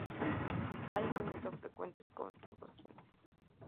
Addison hizo frecuentes contribuciones.